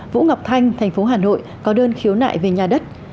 vũ ngọc thanh thành phố hà nội có đơn khiếu nại về nhà đất